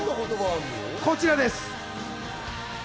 こちらです。